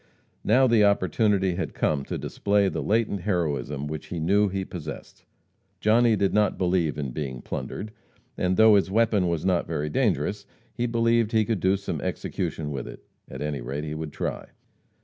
Now the opportunity had come to display the latent heroism which he knew he possessed. Johnny did not believe in being plundered, and, though his weapon was not very dangerous, he believed he could do some execution with it; at any rate, he could try.